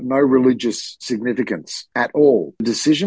tidak memiliki signifikansi religius